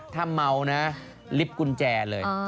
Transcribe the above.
ถ้าเมานะลิฟต์กุญแจเลย